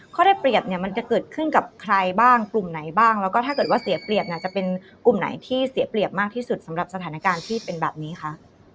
ได้เปรียบเนี่ยมันจะเกิดขึ้นกับใครบ้างกลุ่มไหนบ้างแล้วก็ถ้าเกิดว่าเสียเปรียบเนี่ยจะเป็นกลุ่มไหนที่เสียเปรียบมากที่สุดสำหรับสถานการณ์ที่เป็นแบบนี้คะ